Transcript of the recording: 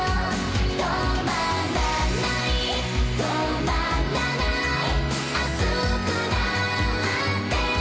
「止まらない止まらない」「熱くなって」